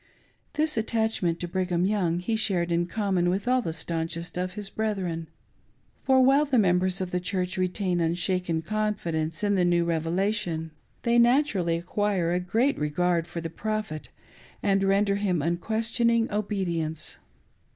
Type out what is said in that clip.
This attachment to Brother Brigham he shared in common with all the staunchgst Qf his brethren ; for while the members of the Church retain unshaken confidence in the new r,fvelation, they naturally acquire a great regard for the Prophet, and render him un 33 544' SOME SERIOUS CONSIDERATIONS. questioning obedience.